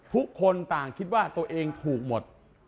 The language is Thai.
ทุกคนต่างคิดว่าตัวเองถูกหมด